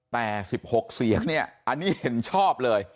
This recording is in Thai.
แต่๑๖เสียงเนี่ยอันนี้เห็นชอบเลย